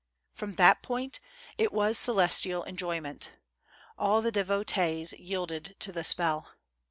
From that point it was celestial enjoyment. All the devotees yielded to the spell.